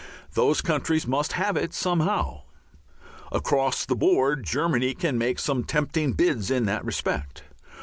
Those countries must have it somehow. Across the board Germany can make some tempting bids in that respect.